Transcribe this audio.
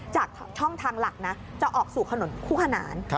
จากช่องทางหลักนะจะออกสู่ถนนคู่ขนาน